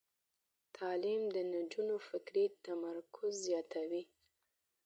تعلیم د نجونو فکري تمرکز زیاتوي.